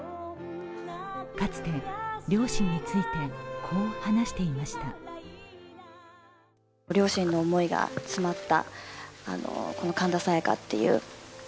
かつて両親について、こう話していました。